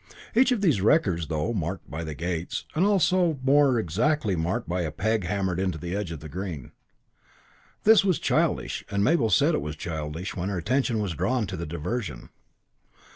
Each of these records, though marked by the gates, was also and more exactly marked by a peg hammered into the edge of the Green. This was childish; and Mabel said it was childish when her attention was drawn to the diversion.